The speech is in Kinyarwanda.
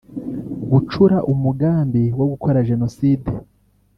Gucura umugambi wo gukora Jenoside